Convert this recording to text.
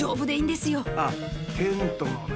あっテントのね。